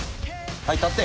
はい立って！